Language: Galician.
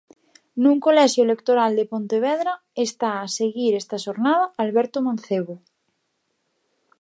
Nun colexio electoral de Pontevedra está a seguir esta xornada Alberto Mancebo.